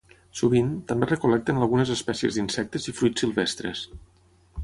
Sovint, també recol·lecten algunes espècies d’insectes i fruits silvestres.